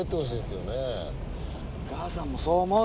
ガーさんもそう思う？